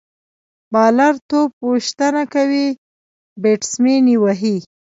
بالر توپ ویشتنه کوي، بیټسمېن يې وهي.